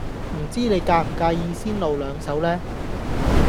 唔知你介唔介意先露兩手呢？